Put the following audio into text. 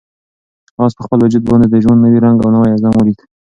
آس په خپل وجود باندې د ژوند نوی رنګ او نوی عزم ولید.